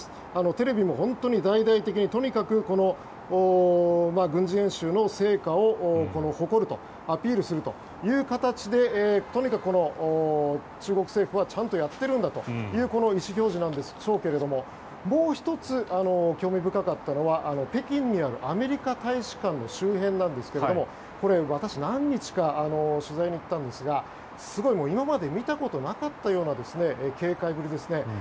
テレビも本当に大々的にとにかく軍事演習の成果を誇る、アピールするという形でとにかく中国政府はちゃんとやっているんだという意思表示なんでしょうけどももう１つ、興味深かったのは北京にあるアメリカ大使館の周辺なんですがこれ、私何日か取材に行ったんですがすごい今まで見たことなかったような警戒ぶりですね。